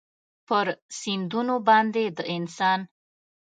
پر سیندونو باندې د انسان